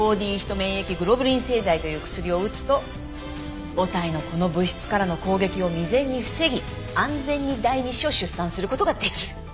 免疫グロブリン製剤という薬を打つと母体のこの物質からの攻撃を未然に防ぎ安全に第二子を出産する事ができる。